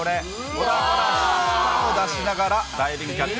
ほらほら、舌を出しながらダイビングキャッチ。